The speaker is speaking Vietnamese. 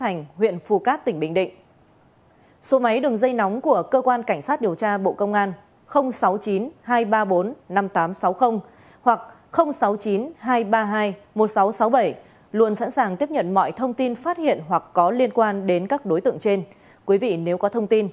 hãy nhớ đăng ký kênh để nhận thông tin nhất